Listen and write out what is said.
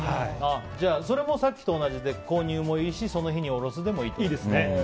じゃあ、それもさっきと同じで購入もいいしその日におろすでもいいと。